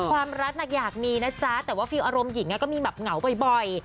ความรักอยากมีนะจ๊ะแต่ว่าฟิลอารมณ์หญิงก็มีแบบเหงาบ่อย